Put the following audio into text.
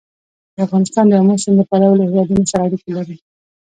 افغانستان د آمو سیند له پلوه له هېوادونو سره اړیکې لري.